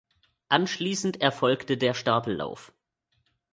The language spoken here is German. Anschließend erfolgte der Stapellauf.